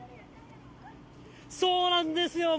そうなんですよ。